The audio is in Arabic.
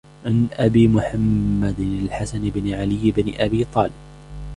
عن أبي مُحَمَّدٍ الْحَسَنِ بنِ عليِّ بنِ أبي طالِبٍ،